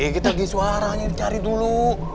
kita lagi suaranya cari dulu